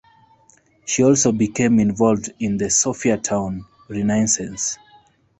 She also became involved in the Sophiatown renaissance.